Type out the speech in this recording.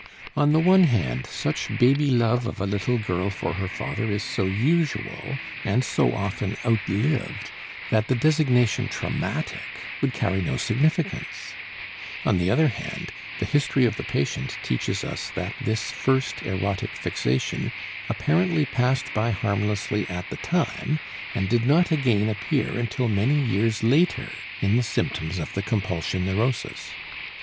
On the one hand, such baby love of a little girl for her father is so usual, and so often outlived that the designation "traumatic" would carry no significance; on the other hand, the history of the patient teaches us that this first erotic fixation apparently passed by harmlessly at the time, and did not again appear until many years later in the symptoms of the compulsion neurosis.